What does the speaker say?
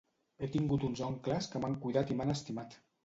He tingut uns oncles que m'han cuidat i m'han estimat.